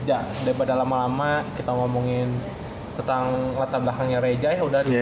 udah pada lama lama kita ngomongin tentang latar belakangnya reza ya udah